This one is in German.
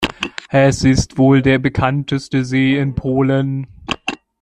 Es ist wohl der bekannteste See in Polen.